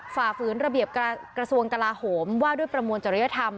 ฝ่าฝืนระเบียบกระทรวงกลาโหมว่าด้วยประมวลจริยธรรม